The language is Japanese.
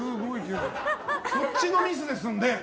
そっちのミスですので。